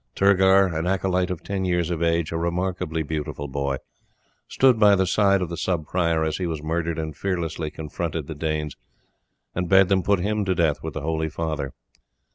Turgar, an acolyte of ten years of age; a remarkably beautiful boy, stood by the side of the sub prior as he was murdered and fearlessly confronted the Danes, and bade them put him to death with the holy father.